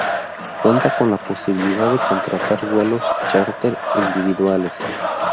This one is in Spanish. Cuenta con la posibilidad de contratar vuelos chárter individuales.